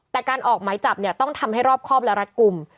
แต่การออกหมายจับเนี่ยต้องทำให้รอบครอบและรัดกลุ่ม